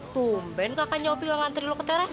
tumben kakak nyopi yang ngantri lo ke teras